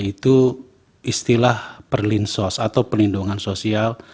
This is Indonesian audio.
itu istilah perlinsos atau perlindungan sosial